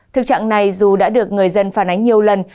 thực trạng này dù đã được người dân phản ánh nhiều lần